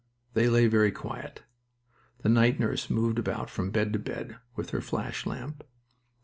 They lay very quiet. The night nurse moved about from bed to bed, with her flash lamp.